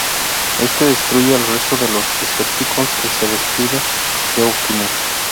Este destruye al resto de los Decepticons y se despide de Optimus.